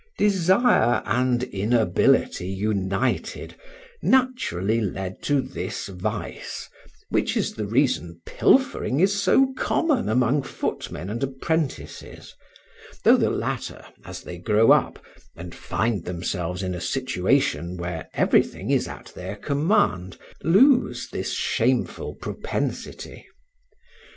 Desire and inability united naturally led to this vice, which is the reason pilfering is so common among footmen and apprentices, though the latter, as they grow up, and find themselves in a situation where everything is at their command, lose this shameful propensity.